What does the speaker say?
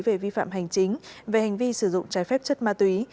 về vi phạm hành chính về hành vi sử dụng trái phép chất ma túy